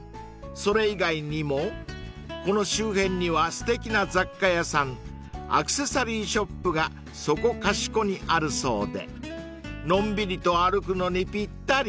［それ以外にもこの周辺にはすてきな雑貨屋さんアクセサリーショップがそこかしこにあるそうでのんびりと歩くのにぴったり］